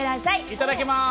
いただきます。